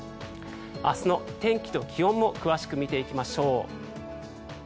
明日の天気と気温も詳しく見ていきましょう。